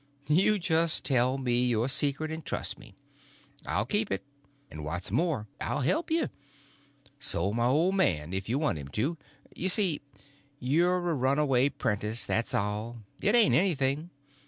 You just tell me your secret, and trust me. I'll keep it; and, what's more, I'll help you. So'll my old man if you want him to. You see, you're a runaway 'prentice, that's all. It ain't anything.